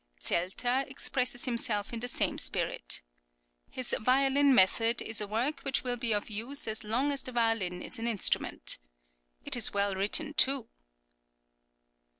Zelter expresses himself in the same spirit:[10023] "His 'Violin Method' is a work which will be of use as long as the violin is an instrument. It is well written, too."